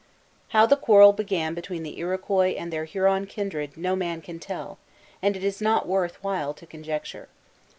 How the quarrel began between the Iroquois and their Huron kindred no man can tell, and it is not worth while to conjecture.